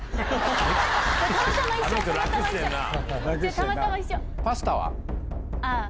たまたま一緒！